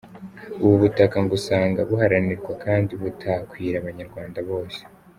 Ubu butaka ngo usanga buharanirwa kandi butakwira Abanyarwanda bose.